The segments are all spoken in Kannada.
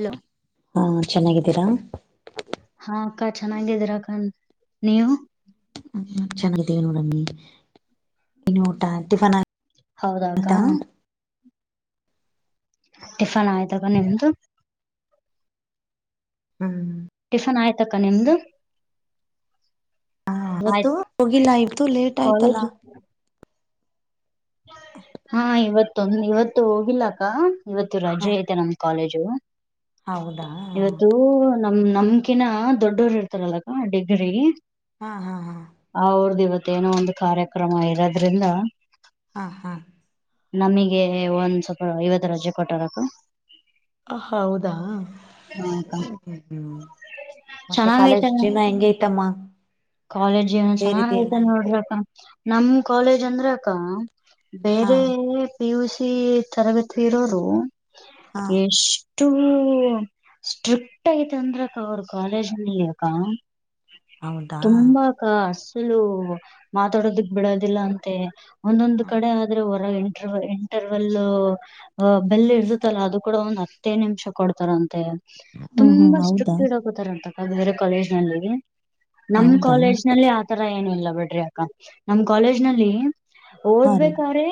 ಹಲೋ ಹಾ ಚೆನ್ನಾಗಿದ್ದೀರಾ ಹಾ ಅಕ್ಕ ಚೆನ್ನಾಗಿದೀರ ಅಕ್ಕ ನೀವು ಹ್ಮ ಚೆನ್ನಾಗಿದ್ದೇವಿ ನೋಡಮ್ಮಿ ಇನ್ನು ಊಟ ಟಿಫನ್ ಆ ಹೌದೌದಾ ಟಿಫನ್ ಆಯತಾಗ ನಿಂತು ಹ್ಮ್ ಟಿಫನ್ ಆಯ್ತಕ್ಕ ನಿಮ್ದು ಹಾ ಇವತ್ತು ಆಯ್ತು ಹೋಗಿಲ್ಲ ಇವತ್ತು ಲೇಟ್ ಆಯ್ತಲ್ಲ ಕಾಲೇಜ್ ಹಾ ಇವತ್ತೊಂದ ಇವತ್ತು ಹೋಗಿಲ್ಲಕ್ಕ ಇವತ್ತು ಹ ರಜೆ ಐತೆ ನಮ್ ಕಾಲೇಜ್ ಹೌದಾ ನಮ ನಮ್ಕಿನ ದೊಡ್ಡೋರು ಇರ್ತಾರದಕ್ಕ ಡಿಗ್ರಿ ಹಾ ಹಾ ಹಾ ಮತ್ತೇನೋ ಒಂದು ಕಾರ್ಯಕ್ರಮ ಇರೋದ್ರಿಂದ ಹಾ ಹಾ ನಮಗೆ ಒಂದ್ ಸ್ವಲ್ಪ ಐವತ್ತು ರಜೆ ಕೊಟ್ಟಾರಕ್ಕ ಹ ಹೌದಾ ಮತ್ತೆ ಚೆನ್ನಾಗ ಕಾಲೇಜ್ ಐತೆ ಜೀವನ ಹೆಂಗ ಐತಮ್ಮ ಕಾಲೇಜ್ ಜೀವನ ಚೆನ್ನಾಗ ಸೇರಿದೆಯಲ್ಲ ಐತೆ ನೋಡ್ರ ನಮ ಕಾಲೇಜ್ ಅಂದ್ರಕ್ಕ ಹಾ ಬೇರೆ ಪಿ ಯು ಸಿ ತರಗತಿ ಇರೋರು ಹಾ ಯಶ್ ಅಷ್ಟು ಸ್ಟ್ರಿಕ್ಟ್ ಐತ ಅಂದ್ರಕ್ಕ ಅವ್ರ ಕಾಲೇಜ್ನಕ ಹೌದಾ ತುಂಬಾಕ ಅಸಲು ಮಾತಾಡೋದಕ್ ಬಿಡೋದಿಲ್ಲ ಅಂತೆ ಒಂದೊಂದು ಹ್ಮ ಕಡೆ ಆದ್ರೆ ಇಂಟರ್ ಇಂಟರ್ವೆಲ್ ಬೆಲ್ಲ ಇರ್ದತಲ್ಲ ಅದು ಕೂಡ ಒಂದ್ ಹತ್ತೇ ನಿಮಿಷ ಕೊಡ್ತಾರ ಅಂತೆ ಹಾ ಹಾ ಹೌದಾ ಂತ ಬೇರೆ ಕಾಲೇಜ್ ನಲ್ಲಿ ನಮ್ ಹೌದಾ ಕಾಲೇಜ್ ನಲ್ಲಿ ಆ ತರ ಏನ ಇಿಲ್ಲ ಬಿಡ್ರಿ ಅಕ್ಕ ನಮ್ಮ್ ಕಾಲೇಜ್ ನಲ್ಲಿ ಹಾ ರೀ ಓದ್ಬೇಕ್ರೆ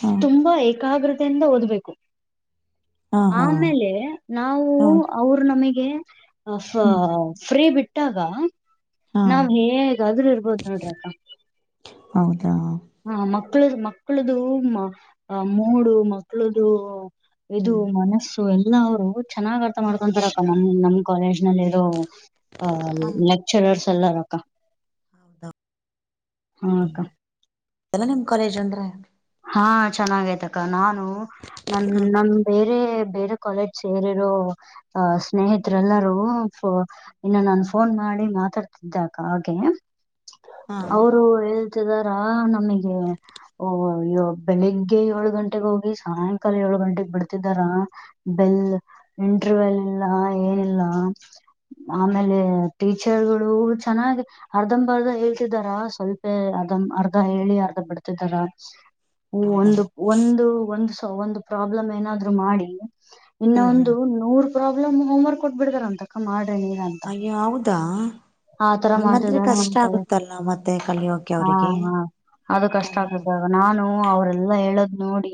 ಹಾ ತುಂಬಾ ಏಕಾಗ್ರತೆಯಿಂದ ಓದ್ಬೇಕು ಹಾ ಹಾ ಆಮೇಲೆ ನಾವು ಹಾ ಅವರು ನಮಗೆ ಹ್ಮ್ ಫ್ರೀ ಬಿಟ್ಟಾಗ ಹಾ ನಾವ್ ಹೇಗಾದ್ರೂ ಇರ್ಬೋದು ನೋಡ್ರಕ್ಕ ಹೌದಾ ಹಾ ಮಕ್ಕಳ ಮಕ್ಕಳ್ದ ಮೂಡು ಮಕ್ಕಳದು ಇದು ಹ್ಮ್ ಮನಸ್ಸು ಎಲ್ಲ ಅವರು ಚೆನ್ನಾಗ್ ಅರ್ಥ ಮಾಡ್ಕೊಂತಾರಕ್ಕ ನಮ ನಮ್ ಕಾಲೇಜ್ ನಲ್ಲಿ ಇರೋ ಹ ಲೆಕ್ಚರರ್ಸ್ ಎಲ್ಲಾರಕ್ಕ ಹೌದ ಹ್ಮಕ್ಕ ಕೆ ಜಂದ ಹಾ ಚೆನ್ನಾಗಯತಕ್ಕ ನಾನು ನನ್ ಹ ನಮ ಬೇರೆ ಬೇರೆ ಕಾಲೇಜ್ ಸೇರಿರೋ ಸ್ನೇಹಿತರೆ ಎಲ್ಲರೂ ಇನ್ನು ನ ಫೋನ್ ಮಾಡ ನಾಳಿ ಮಾತಾಡ್ತಿದ್ದಾಗ ಹಾಗೆ ಹಾ ಅವರು ಹೇಳ್ತಿದಾರ ನಮಗೆ ಯ್ಯೋ ಬೆಳಿಗ್ಗೆ ಏಳು ಗಂಟೆಗೆ ಹೋಗಿ ಸಾಯಂಕಾಲ ಏಳು ಗಂಟೆಗೆಗ್ ಬಿಡ್ತಿದ್ದಾರ ಬೆಲ್ ಇಂಟರ್ವ್ಯೂಲ್ ಇಲ್ಲ ಏನಿಲ್ಲ ಆಮೇಲೆ ಟೀಚರ್ಗಳು ಚೆನ್ನಾಗ ಅರ್ಧಂಬರ್ಧ ಹೇಳ್ತಿದಾರ ಸ್ವಲ್ಪೇ ಅರ್ ಅರ್ಧ ಹೇಳಿ ಅರ್ಧ ಬಿಡ್ತಿದಾರ ಹ ಹೌದಾ ಒಂದು ಒಂದು ಒಂದು ಒಂದು ಪ್ರಾಬ್ಲಮ್ ಏನಾದ್ರು ಮಾಡಿ ಹ್ಮ್ ಇನ್ನೊಂದು ಹ್ಮ್ ನೂರ್ ಪ್ರಾಬ್ಲಮ್ ಹೋಮ್ವರ್ಕ್ ಕೊಟ್ ಬಿಿಡಗಾರ ಅಂತಕ ಮಾಡ ಅಯ್ಯೋ ಹೌದಾ ಆತರ ಹಂಗಂದ್ರೆ ಮಾಡ್ತಿದಾರ ನಮ್ ಕಷ್ಟ ಕಾಲೇಜ್ ಆಗುತ್ತಲ್ಲ ಮತ್ತೆ ಕಲಿಯೋಕೆ ಹಾ ಅವ್ರಿಗೆ ಹಾ ಅದು ಕಷ್ಟ ಅದೇ ಮತ್ತೆ ಆಗ್ತದಾಗ ನಾನು ಅವ್ರಲ್ಲಾ ಹೇಳೋದ್ ನೋಡಿ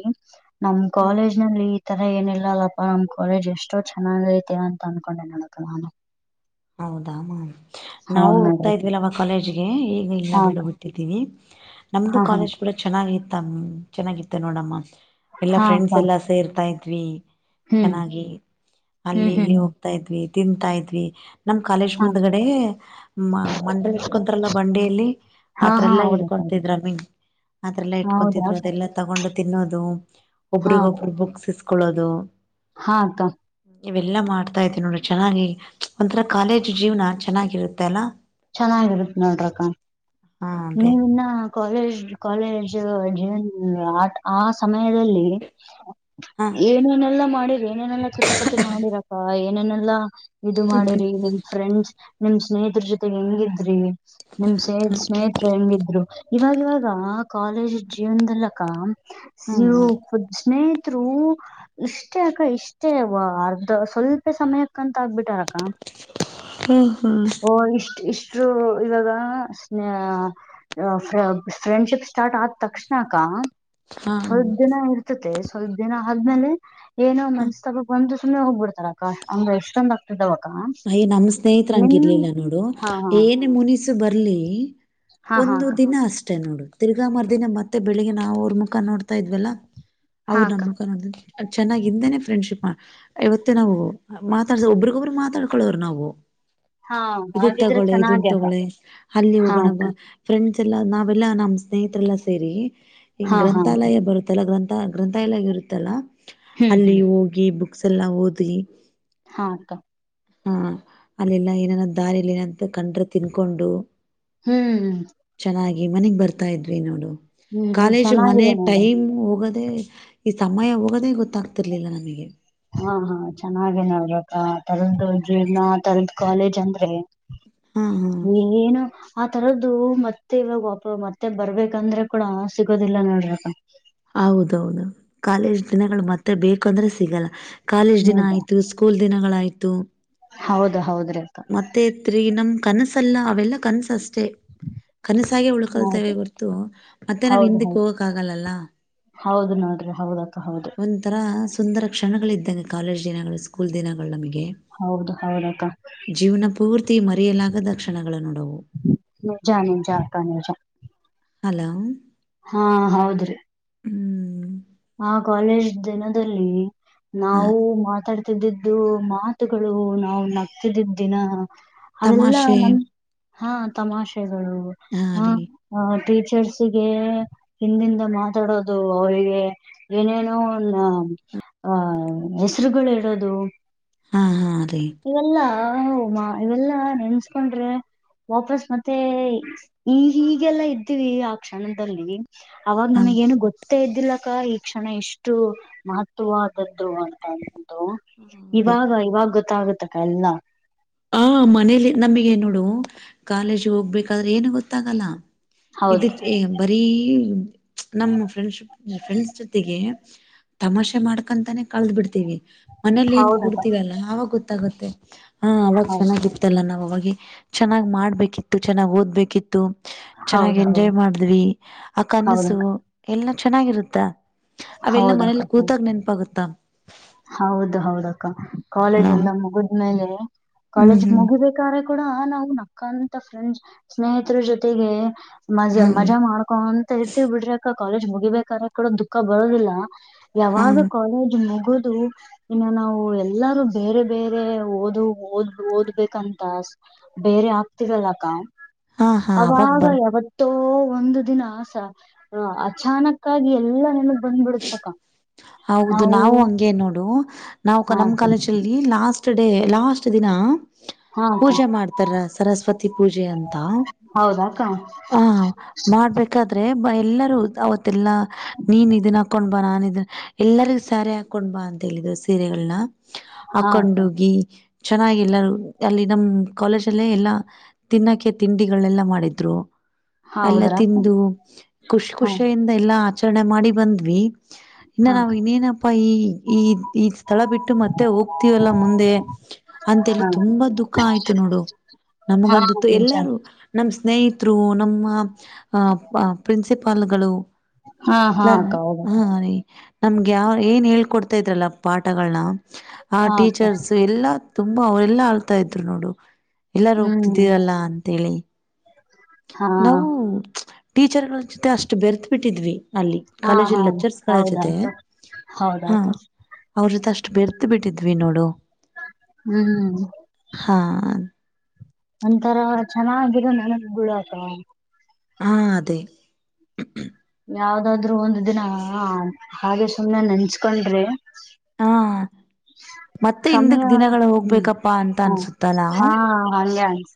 ನಮ ಹಾ ಕಾಲೇಜ್ ನಲ್ಲಿ ಈ ತರ ಏನಿಲ್ಲ ಅಲ್ಲಪ್ಪಾ ನಮ್ ಕಾಲೇಜ್ ಎಷ್ಟೋ ಚೆನ್ನಾಗ ಐತೆವ ಅಂತ ಅನ್ಕೊಂಡೆ ನಡಕ ನಾನು ಹೌದಾಮ ನಾವು ಹೌದ್ ಹೋಗ್ತಾ ನೋಡ್ರಿ ಇದ್ವಿಿಲ್ಲವ ಕಾಲೇಜ್ಗೆ ಈಗ ಇಲ್ಲ ಹಾ ಬಿಡು ಅಕ್ಕ ಬಿಟ್ಟಿದ್ದೀವಿ ನಮ್ದು ಹಾ ಹಾ ಕಾಲೇಜ್ ಕೂಡ ಚೆನ್ನಾಗಿತ್ತ ಚೆನ್ನಾಗಿತ್ತ ನೋಡಮ್ಮ ಎಲ್ಲಾ ಹಾ ಅಕ್ಕ ಫ್ರೆಂಡ್ಸ್ ಎಲ್ಲ ಸೇರ್ತಾ ಇದತ್್ವಿ ಹ್ಮ್ ಚೆನ್ನಾಗಿ ಹ್ಮ್ ಅಲ್ಲಿ ಹ್ಮ್ ಇಲ್ಲಿ ಹ್ಮ್ ಹೋಗ್ತಾ ಇದ್ವಿ ತಿಂತಾ ಇದ ಇದ್ವಿ ನಮ್ ಕಾಲೇಜ್ ಹಾ ಮುಂದ್ಗಡೆ ಮಂಡಲ್ ಇಟ್ಕೊಂತರಲ್ಲ ಬಂಡಿಯಲ್ಲಿ ಹಾ ಹಾ ಆತ್ರರೆಲ್ಲ ಹೌದಕ್ಕ ಹೌದಕ್ಕ ಇಡ್ಕೊತಿದ್ರ ಮೀನ್ ಆ್ರರೆಲ್ಲ ಹೌದಾ ಇಟ್ಕೊತಿದ್ರು ಅಕ್ಕ ಅದೆಲ್ಲಾ ತಗೊಂಡ ತಿನ್ನೋದು ಹಾ ಒಬರಿಗ ಅಕ್ಕ ಒಬ್ರು ಬುಕ್ಸ್ ಇಸ್ಕೊಳ್ಳೋದು ಹಾ ತ ಇವೆಲ್ಲಾ ಮಾಡ್ತಾ ಇದೀವಿ ನೋಡಿ ಚೆನ್ನಾಗಿ ಒಂಥರ ಕಾಲೇಜ್ ಜೀವನ ಚೆನ್ನಾಗಿರುತ್ತೆ ಅಲ್ಲಾ ಚೆನ್ನಾಗಿರುತ್ತ ನೋಡ್ರಕ್ಕ ಹಾ ಅದೇ ನೀವಿನ್ನ ಕಾಲೇಜ್ ಕಾಲೇಜ್ ಜನ್ ಆ ಆ ಸಮಯದಲ್ಲಿ ಹಾ ಏನೇನೆಲ್ಲಾ ಮಾಡಿರಿ ಏನೇನೆಲ್ಲ ಚಟನಪತಿ ಮಾಡಿರಕ್ಕ ಏನೇನೆಲ್ಲಾ ಇದು ಮಾಡಿರಿ ನಿಮ್ ಫ್ರೆಂಡ್ಸ್ ನಿಮ್ ಸ್ನೇಹಿತರ ಜೊತೆಗೆ ಹೆಂಗಿದ್ರಿ ನಿಮ್ ಸ್ೇ ಸ್ನೇಹತ್ರು ಹೆಂಗಿದ್ರು ಇವಾಗ ಇವಾಗ ಕಾಲೇಜ್ ಜೀವನದಲ್ಲಕ ಹ್ಮ್ ನೀವುಫು ಸ್ನೇಹ ರು ಇಷ್ಟೇ ಅಕ್ಕ ಇಷ್ಟೇ ಅರ್ಧ ಸ್ವಲ್ಪ ಸಮಯಕ್ಕಂತ ಆಗ್ಬಿಟ್ಟಾರಕ್ಕ ಹ್ಮ್ ಹ್ಮ್ ಓ ಇಷ್ಟ್ ಇಷ್ಟರು ಇವಾಗ ಸ್ನ ಫ್ರೆಂಡ್ಶಿಪ್ ಸ್ಟಾರ್ಟ್ ಆದ ತಕ್ಷಣ ಹಾ ಸ್ವಲ್ಪ ದಿನ ಇರ್ತತೆ ಸ್ವಲ್ಪ ದಿನ ಆದ್ಮೇಲೆ ಏನೋ ಮನ್ಸ್ ತಗಕ್ ಬಂದು ಸುಮ್ಮನೆ ಹೋಗಬ ಬಿಡ್ತ ಅಂದ್ರ ಎಷ್ಟೊಂದ ಆತಿದವ ಅಯ್ ನಮ್ ಸ್ನೇಹತ್ರರ ಹಂಗಿರ್ಲಿಲ್ಲ ನೋಡು ಹಾ ಏನ ಮುನಿಸು ಬರ್ಲಿ ಹಾ ಹಾ ಹಾ ಒಂದು ಅಕ್ಕ ದಿನ ಅಷ್ಟೆ ನೋಡುದು ತಿರ್ಗಾ ಮಾರದಿನ ಮತ್ತೆ ಬೆಳಿಗ್ಗೆಾಾವ ಅವ್ರ ಮುಖಾ ನೋಡ್ತಾ ಇದ್ವಲ್ಲ ಹಾ ಅವ್ರ ಅಕ್ಕ ನಮ್ಮ ಮುಖೋ ಚನ್ನಾಗಿಿಂದೇನೆ ಫ್ರೆಂಡ್ಶಿಪ್ ಇವತ್ತೇ ನಾವು ಮಾತಾಡ್ಸ ಒಬ್ರಗೊಬರು ಮಾತಾಡ್ಕೊಳೋರು ನಾವು ಹಾ ಇದನ್ ಹಾಗಿದ್ರೆ ತಗೊಳ್ಳಳೆ ಇದನ್ ಚೆನ್ನಾಗಿ ಅಕ್ಕ ತಗೊಳ್ಳಳೆ ಅಲ್ಲಿ ಹಾ ಹೋಗೋಣ ಬ ಅಕ್ಕ ಫ್ರೆಂಡ್ ಲ್ಲ ನಾವೆಲ್ಲಾ ನಮ್ಮ್ ಸ್ನೇಹಿತರೆಲ್ಲಾ ಸೇರಿ ಈ ಹಾ ಹಾ ಅಕ್ಕ ಗ್ರಂಥಾಲಯ ಬರುತ್ತಲ್ಲ ಗ್ರಂ ಗ್ರಂಥ ಎಲ್ಲಾಗಿ ಇರುತ್ತಲ್ಲ ಹ್ಮ್ ಅಲ್ಲಿ ಹ್ಮ್ ಹೋಗಿ ಬುಕ್ಸ್ ಎಲ್ಲ ಓದಿ ಹಾಕ್ಕ ಹಾ ಅಲ್ಲೆಲ್ಲಾ ಏನನ ದಾರಿಲ್ಲಿ ಏನಂತ ಕಂಡ್ರ ತಿನ್ಕೊಂಡು ಹ್ಮ್ ಚೆನ್ನಾಗಿ ಮನೆಗ್ ಬರ್ತಾ ಇದ್ವಿ ನೋಡು ಹ್ಮ್ ಹ್ಮ್ ಕಾಲೇಜು ಮನೆ ಚೆನ್ನಾಗಿದೆ ನೋಡ್ರಿ ಟೈಮ್ ಹೋಗದ ಮತ್ತೆ ಈ ಸಮಯ ಹೋಗದೇ ಗೊತ್ತಾಗ್ತಿರ್ಲಿಲ್ಲ ನಮಗೆ ಹಾ ಹಾ ಚೆನ್ನಾಗೇ ನೋಡ್ಬೇಕಾ ತರದ ಜೀರ್ನ ತರದ ಕಾಲೇಜ್ ಅಂದ್ರೆ ಹಾ ಹಾ ಈಗಏನು ಆ ತರದ್ದದು ಮತ್ತೆ ಇವಾಗ ಮತ್ತೆ ಬರ್ಬೇಕಂದ್ರೆ ಕೂಡ ಸಿಗೋದಿಲ್ಲ ನೋಡ್ರ ಹೌದೌದು ಕಾಲೇಜ್ ದಿನಗಳು ಮತ್ತೆ ಮತ್ತ ಬೇಕಂದ್ರೆ ಸಿಗಲ್ಲ ಕಾಲೇಜ್ ದಿನ ಆಯ್ತು ಸ್ಕೂಲ್ ದಿನಗಳಾಯ್ತು ಹೌದ ಹೌದ ಹೌದ್ರಿ ಅಕ್ಕ ಮತ್ತೆತ್ರಿ ನಮ ಕನಸಲ್ಲ ಅವೆಲ್ಲ ಕನ್ಸಷ್ಟ ಅಷ್ಟ ಕನಸಾಗೆ ಉಳ್ಕಲ್ತೇವೆ ಹೌದು ಹೊರ್ತು ಮತ್ತೆ ನಾವ್ ಹೌದು ಹಿಂದಿಕ್ ಹೌದು ಹೋಗಕ್ ಆಗಲ್ಲಲ್ಲ ಹೌದು ನೋಡ್ರಿ ಹೌದಕ್ಕ ಹೌದು್ರ ಒಂಥರ ಸುಂದರ ಕ್ಷಣಗಳ ಇದ್ದಂಗೆ ಕಾಲೇಜ್ ದಿನಗಳು ಸ್ಕೂಲ್ ದಿನಗಳನ ಮೇಲೆ ಹೌದು ಹೌದಕ್ಕ ಜೀವನ ಪೂರ್ತಿ ಮರೆಯಲಾಗದ ಕ್ಷಣಗಳು ನೋಡವು ನಿಜ ನೀಜತ ನಿಜ ಹಲೋ ಹಾ ಹೌದ್ರಿ ಹ್ಮ್ ಆ ಕಾಲೇಜ್ ದಿನದಲ್ಲಿ ಹ ನಾವು ಮಾತಾಡ್ ತಿದ್ದು ಮಾತುಗಳು ನಾವು ನಗ್ತಿದ್ದಿದ್ದ ದಿನ ಅವೆಲ್ಲ ತಮಾಷೆ ನ ಹಾ ತಮಾಷೆಗಳು ಹಾ ಹ ರೀ ಚರ್ಸ್ಗೆ ಹಿಂದಿಂದ ಮಾತಾಡೋದು ಅವರಿಗೆ ಏನೇನೋ ನ ಆಹ ಹೆಸರುಗಳು ಇಡೋದು ಹಾ ಹಾ ರೀ ಇವೆಲ್ಲಾ ಹಮ್ಮ ಇವೆಲ್ಲಾ ನೆನ್ಸ್ಕೊಂಡ್ರೆ ವಾಪಸ್ ಮತ್ತೆ ಈ ಹೀಗೆಲ್ಲಾ ಇದ್ದೀವಿ ಆ ಕ್ಷಣದಲ್ಲಿ ಅವಾಗ ಹ ನಮಗ ಏನು ಗೊತ್ತೇ ಇದ್ದಿಲ್ಲ ಶಿಕ್ಷಣ ಎಷ್ಟು ಮಹತ್ವಾದದ್ದು ಅಂತ ಹೌದೇ ಇವಾಗ ಇವಾಗ ಗೊತ್ತಾಗತ್ತಕ್ಕ ಎಲ್ಲಾ ಹ ಮನೇಲಿ ನಮಗೆ ನೋಡು ಕಾಲೇಜ್ ಹೋಗ್ಬೇಕಾದ್ರೆ ಏನು ಗೊತ್ತಾಗಲ್ಲ ಇ ಹೌದು ಬರೀ ನಮ್ಮ ಫ್ರೆಂಡ್ಶಿಪ್ ಫ್ರೆಂಡ್ಸ್ ಜೊತೆಗೆ ತಮಾಷೆ ಮಾಡ್ಕಂತಾನೇ ಕಳದ್ ಬಿಡ್ತೀವಿ ಮನೇಲಿ ಏನ್ ಹೌದಕ್ಕ ಕೂಡ್ತಿವಲ್ಲ ಆವಾಗ ಗೊತ್ತಾಗುತ್ತೆ ಹಾ ಅವಾಗ ಹೌದು ಚೆನ್ನಾಗಿ ಇತ್ತಲ್ಲ ನಾವ್ ಅವಾಗ ಚೆನ್ನಾಗಿ ಮಾಡ್ಬೇಕಿತ್ತು ಚೆನ್ನಾಗಿ ಓದ್ಬೇಕಿತ್ತು ಹೌದ ಚೆನ್ನಾಗಿ ಹೌದು ಎಂಜಾಯ್ ಮಾಡಿದ್ವಿ ಆ ಕನಸು ಹೌದಕ್ಕ ಎಲ್ಲ ಚೆನ್ನಾಗಿರುತ್ತ ಅವೆಲ್ಲ ಮನೇಲಿ ಹೌದಕ್ಕ ಹೌದು ಕೂತಾಗ ನೆನಪಾಗುತ್ತ ಹೌದು ಹೌದಕ್ಕ ಕಾಲೇಜ್ ಹಲೋ ಎಲ್ಲ ಮುಗಿದ್ಮೇಲೆ ಹ್ಮ್ ಕಾಲೇಜ ಹ್ಮ್ ಮುಗಿಬೇಕ ಕೂಡ ನಾವು ನಕ್ಕಂತ ಫ್ರೆಂಡ್ ಸ್ನೇಹಿತರ ಜೊತೆಗೆ ಮಜಾ ಹ್ಮ್ ಮಜಾ ಮಾಡ್ಕೊಂತ ಇರ್ತೀವಿ ಬಿಡ್ರಿ ಅಕ್ಕ ಕಾಲೇಜ್ ಮುಗಿಬೇಕಾರೆರ ಕಡ ದುಃಖ ಬರೋದಿಲ್ಲಾ ಹಾ ಯಾವಾಗ ಕಾಲೇಜ ಇನ್ನು ನಾವು ಎಲ್ಲಾರೂ ಬೇರೆ ಬೇರೆ ಓದು ಓದ್ ಓದ್ಬೇಕಂತ ಬೇರೆ ಆಗ್ತರಲ್ಲಕ್ಕ ಹಾ ಹಾ ಹಾ ಅವಾಗ ಬರ ಯಾವತ್ತೂ ಒಂದು ದಿನಸ ಅಚಾನಕ್ಕ ಆಾಗಿ ಎಲ್ಲ ನೆನಗ್ ಬಂದ್ಬಿಡತಕ್ಕ ಹೌದು ನಾವು ಹಂಗೆ ನೋಡು ನಾವು ಹಾ ನಮ್ ಅಕ್ಕ ಕಾಲೇಜ ಅಲ್ಲಿ ಲಾಸ್ ಲಾಸ್ಟ್ ಡೇ ಲಾಸ್ಟ್ ದಿನ ಹಾ ಅಕ್ಕ ಪೂಜೆ ಮಾಡ್ತಾರ ಸರಸ್ವತಿ ಪೂಜೆ ಅಂತ ಹೌದಾಕ್ಕ ಹ ಮಾಡ್ಬೇಕಾದ್ರೆ ಎಲ್ಲರೂ ಅವತ್ತೆಲ್ಲಾ ನೀನ್ ಇದನ್ ಹಾಕೊಂಡ್ ಬಾ ನಾನನ್ ಇದನ್ ಎಲ್ಲರಿಗ ಸಾರಿ ಹಾಕೊಂಡ್ ಬಾ ಅಂತ ಹೇಳಿದ್ ಸೀರೆಗಳನ್ನ ಹಾ ಅಕ್ಕ ಹಾಕೊಂಡೋಗಿ ಚೆನ್ನಾಗಿ ಎಲ್ಲಾರು ಅಲ್ಲಿ ನಮ ಕಾಲೇಜ ಅಲ್ಲೇ ಎಲ್ಲಾ ತಿನ್ನಕ್ಕೆೆ ತಿಂಡಿಗಳೆಲ್ಲ ಮಾಡಿದ್ರು ಎಲ್ಲ ಹೌದ್ರಾ ಅಕ್ಕ ತಿಂದು ಖುಷ್ ಹಾ ಖುಷಿಯಿಂದ ಎಲ್ಲಾ ಆಚರಣೆ ಮಾಡಿ ಬಂದ್ವಿ ಇನ್ನು ಹಾ ಅಕ್ಕ ನಾವವು ಇನ್ನೇನಪ್ಪಾ ಈ ಈ ಈ ಸ್ಥಳ ಬಿಟ್ಟು ಮತ್ತೆ ಹೋಗ್ತವಲ್ಲ ಮುಂದೆ ಅಂತೇಳಿ ಹಾ ತುಂಬಾ ದುಃಖ ಆಯ್ತು ನೋಡು ಹಾ ನಮಗಂತತ್ತುು ನಿಜ ಎಲ್ಲಾರೂ ನಮ ಸ್ನೇಹಿತರು ನಮ್ಮ ಪ್ರಿನ್ಸಿಪಾಲ್ಗಳು ಹಾ ಹಾ ಇ ಅಕ್ಕ ಹೌದಕ್ಕ ಹಾ ರೀ ನಮ್ಗೆ ಯಾವ ಏನ್ ಹೇಳ್ಕೊಡ್ತಾ ಇದ್ರಲ್ಲ ಪಾಠಗಳನ್ನ ಆ ಹಾ ಅಕ್ಕ ಟೀಚರ್ಸ್ ಎಲ್ಲಾ ತುಂಬಾ ಅವರೆಲ್ಲಾ ಆಳ್ತಾ ಇದ್ರು ನೋಡು ಎಲ್ಲಾರು ಹ್ಮ್ ಹೋಗ್ತಿದ್ದೀರಲ್ಲ ಅಂತೇಳಿ ಹಾ ನಾವು ಟೀಚರ್ಗಳ ಜೊತೆ ಅಷ್ಟು ಬೆರೆತ ಬಿಿಟ್ಟಿದ್ವಿ ಅಲ್ಲಿ ಹಾ ಹಾ ಕಾಲೇಜಲ್ಲಿ ಲೆಕ್ಚರ್ಸ್ಗಳ ಹೌದಾ ಜೊತೆ ಅಕ್ಕ ಹೌದಾ ಹ ಅಕ್ಕ ಅವ್ರ ಜೊತೆ ಅ ಬೆರೆತ ಬಿಟ್ಟಿದ್ವಿ ನೋಡು ಹ್ಮ್ ಹಾ ಒಂಂತರ ಚೆನ್ನಾಗಿರೋ ನನಗ್ ಬಿಡಾಕ ಹಾ ಅದೇ ಯಾವ್ದಾದ್ರು ಒಂದ ದಿನ ಹಾಗೆ ಸುಮ್ನೆ ನೆಂಚ್ಕೊಂಡ್ರಿ ಹಾ ಮತ್ತೆ ಸಮಯ ಹಿಂದಕ್ ದಿನಗಳು ಹ್ಮ್ ಹೋಗ್ಬೇಕಪ್ಪಾ ಅಂತ ಹ್ಮ ಅನ್ಸುತ್ತಲ್ಲ ಹಾ ಹಾಗೆ ಅನ್ಸ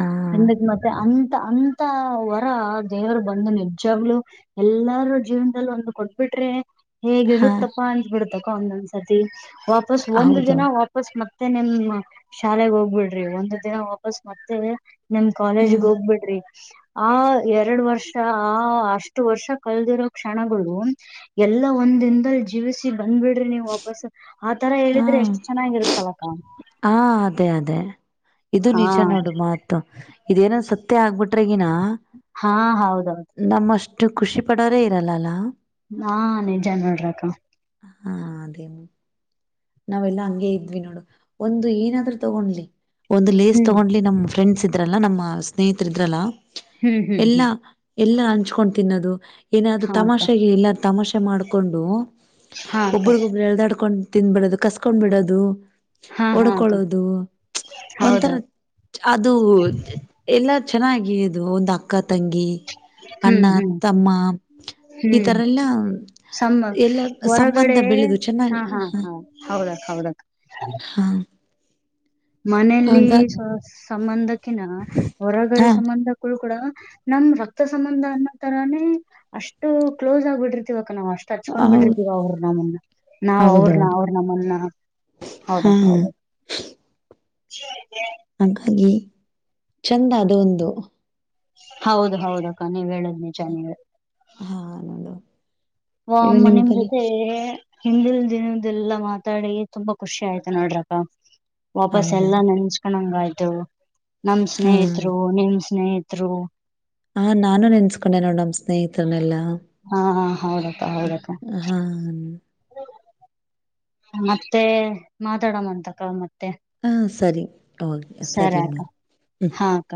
ಹಾ ಎಂದಕ್ ಮತ್ತೆ ಅ ಅಂತ ವರ ದೇವರು ಬಂದು ನಿಜಾಗ್ಲು ಎಲ್ಲಾರೂ ಜೀವನದಲ್ಲಿ ಒಂದು ಕೊಟ್ಬಿಟ್ಟ ಅೆ ಹಾ ಹೇಗಿರುತ್ತಪ್ಪಾ ಅನ್ತ್ಬಿಡ್ತಕ್ಕ ಒಂದೊಂದ್ಸರ್ತಿ ವಾಪಸ್ ಒಂದ್ ಹೌದೌದು ದಿನ ವಾಪಸ್ ಮತ್ತ ಮತ್ತೆ ನಿಮ್ ಶಾಲೆೆಗೆ ಹೋಗ್ಬಿಡ್ರಿ ಒಂದು ದಿನ ವಾಪಸ್ ಮತ್ತೆ ನಮ್ ಕಾಲೇಜಗ್ ಹ್ಮ್ ಹೋಗ್ಬಿಡ್ರಿ ಆ ಎರಡ್ ವರ್ಷ ಆ ಅಷ್ಟು ವರ್ಷ ಕಲ್ದಿರೋ ಕ್ಷಣಗಳು ಎ ಎಲ್ಲಾ ಒಂದ್ ದಿನದಲ್ಲಿ ಜೀವಿಸಿ ಬಂದ್ಬಿಡ್ರಿ ನೀ್ ವಾಪಸ್ ಆತರ ಹಾ ಹೇಳಿದ್ರೆ ಎಷ್ಟು ಚೆನ್ನಾಗಿರುತ್ತವ ಕ ಹಾ ಅದೇ ಅದೇ ಇದು ಹಾ ನಿಜ ನೋಡು ಮಾತು ಇದೇನ ಸತ್ತೇ ಆಗ್ಬಿಟ್ಟು ಟಗಿನ ಹಾ ಹೌದೌದು ನಮ್ಮಷ್ಟು ಖುಷಿ ಪಡೋಾರೇ ಇರಲ್ಲಲ್ಲ ಹಾ ನಿಜ ನೋಡ್ರಕ್ಕ ಹಾ ಅದೇ ನಾವೆಲ್ಲಾ ಹಂಗಗೆ ಇದ್ವಿ ನೋಡು ಒಂದು ಏನ ತಗೊಂಡ್ಲಿ ಒಂದು ಲೇಸ್ ಹ್ಮ್ ತಗೊಂಡ್ಲಿ ನಮ್ಮ್ ಫ್ರೆಂಡ್ಸ್ ಇದ್ರಲ್ಲ ನಮ್ಮ ಸ್ನೇಹಿತರ ಇದ್ರಲ್ಲಾ ಹ್ಮ್ ಹ್ಮ್ ಎಲ್ಲ ಹ್ಮ್ ಎಲ್ಲ ಹಂಚ್ಕೊಂಡ ತಿನ್ನೋದು ಏನಾದ್ರೂ ಹಾ ಅಕ್ಕ ತಮಾಷೆಗೆ ಎಲ್ಲು ತಮಾಷೆ ಮಾಡ್ಕೊಂಡು ಹಾ ಅಕ್ಕ ಒಬರಿಗೊಬ್ರು ಎಳದಾಡ್ಕೊಂಡ್ ತಿಿಂದಬಿಡದು ಕಸ್ಕೊಂಡ್ ಬಿಡೋದು ಹಾ ಹಾ ಅಕ್ಕ ಒಡ್ಕೊಳ್ಳೋದು ಹೌದ ಒಂಥರ ಅದು ಎಲ್ಲ ಚೆನ್ನಾಗಿ ಇದು ಒಂದು ಅಕ್ಕ ತಂಗಿ ಅಣ್ಣ ಹ್ಮ್ ಹ್ಮ್ ತಮ್ಮ ಈ ಹ್ಮ್ ತರ ಎಲ್ಲ ಸಮ್ಮ ಎಲ್ಲ ಸಂಬಂಧ ಬೆಳೆದು ಚೆನ್ನಾಗಿ ಹೌದಾ ಹೌದಾ ಹಾ ಮನೇೆಯಲ್ಲಿ ಸಂಬಂಧಕ್ಕಿನ ಹಾ ಹೊರಗಡೆ ಸಂಬಂಧಕ್ಕಳ ಕೂಡ ನಮ ರಕ್ತ ಸಂಬಂಧ ಅನ್ನೋ ತರಾನೇ ಅಷ್ಟು ಕ್ಲೋಸ್ ಆಗ್ಬಿಟ್ಟಿರ್ತಿವ ಅಕ್ಕ ನಾವ್ ಅಷ್ಟ್ ಹಚ್ಕೊಂಡ್ ಹೌದು ಬಿಡ್ರಿದೀವ ಅವ್ರರು ನಮ್ಮನ್ನ ನಾವ್ ಅವ್ರನ್ನ ಹೌದೌದು ಅವ್ರ ನಮ್ಮನ್ನ ಹೌದದು ಹಾ ಹೌದು ಹಾಗಾಗಿ ಚಂದ ಅದು ಒಂದು ಹೌದು ಹೌದಕ್ಕ ನೀವ್ ಹೇಳದ್ ನಿಜ ನೀ ಹಾ ನೋಡ ವ ಮ ನಿಮ ಜೊತೆ ಹಿಂದಿಲ್ ದಿನ್ದಲ್ಲಾ ಮಾತಾಡಿ ತುಂಬಾ ಖುಷಿ ಆಯ್ತು ನೋಡ್ರಪ್ಪ ವಾಪಸ್ ಹೌದಾ ಎಲ್ಲಾ ನೆನ್ಚ್ಕೊಂಡಂಗ ಆಯ್ತು ನಮ ಹಾ ಸ್ನೇಹಿತರು ನಿಮ್ ಸ್ನೇಹತ್ರರು ಹ ನಾನು ನೆನ್ಸ್ಕೊಂಡೆ ನೋಡ್ ನಮ್ಮ್ ಸ್ನೇಹಿತರನೆಲ್ಲಾ ಹಾ ಹೌದಪ್ಪ ಹೌದಪ್ಪ ಹಾ ಮತ್ತೆ ಮಾತಾಡಣ ಅಂತಕ್ಕ ಮತ್ತೆ ಹಾ ಸರಿ ಓ ಸರಿ ಸರಿಮ್ಮ ಅಕ್ಕ ಹ್ಮ್ ಹಾ ಅಕ್ಕ